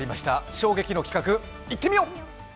衝撃の企画、いってみよう！